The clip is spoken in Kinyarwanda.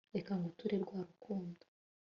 reka nguture rwa rukundo